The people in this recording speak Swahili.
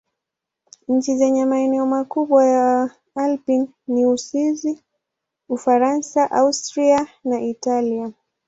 Nchi zenye maeneo makubwa ya Alpi ni Uswisi, Ufaransa, Austria na Italia.